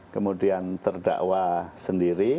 kemudian terdakwa sendiri